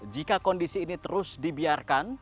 jika kondisi ini terus dibiarkan